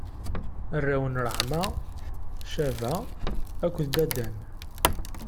Arraw n Raɛma: Caba akked Dadan.